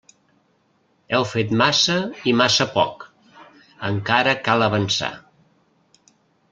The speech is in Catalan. Heu fet massa i massa poc; encara cal avançar.